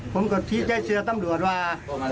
ผมก็พิจัยเชื่อตำรวจว่า